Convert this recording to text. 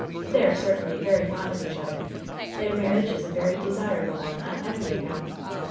They are certainly very fond of each other. Their marriage is a very desirable one on every account.